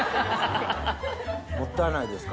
もったいないです。